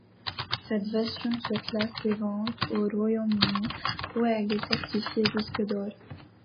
Cette version se classe des ventes au Royaume-Uni où elle est certifiée disque d'or.